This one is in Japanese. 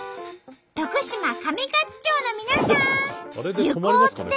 徳島上勝町の皆さん！